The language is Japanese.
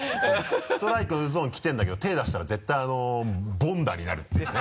ストライクゾーン来てるんだけど手出したら絶対凡打になるってヤツね。